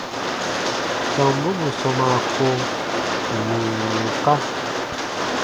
Tɔmbu bù sɔmaa ko wùu wùuka.